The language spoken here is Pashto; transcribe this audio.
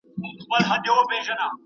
زه به سبا کتابتون ته ولاړ سم،